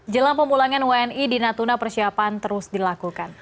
jelang pemulangan wni di natuna persiapan terus dilakukan